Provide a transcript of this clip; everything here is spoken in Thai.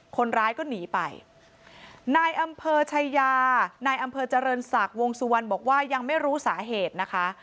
คนร้ายก็หนีไปนายอำเภอชายานายอำเภอเจริญศักดิ์วงสุวรรณบอกว่ายังไม่รู้สาเหตุนะคะ